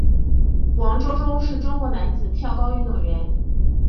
王舟舟是中国男子跳高运动员。